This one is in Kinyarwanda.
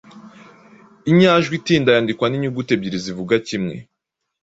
Inyajwi itinda yandikwa n’inyuguti ebyiri zivugwa kimwe.